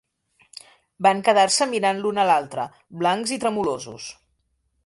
Van quedar-se mirant l'un a l'altre, blancs i tremolosos.